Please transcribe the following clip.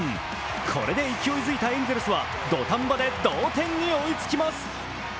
これで勢いづいたエンゼルスは土壇場で同点に追いつきます。